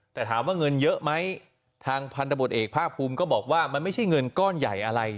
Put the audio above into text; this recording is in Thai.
แต่ถามว่าเงินเยอะไหมทางพันธบทเอกภาคภูมิก็บอกว่ามันไม่ใช่เงินก้อนใหญ่อะไร